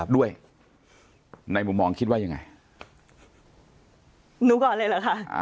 ด้วยในมุมมองคิดว่ายังไงหนูก่อนเลยเหรอคะ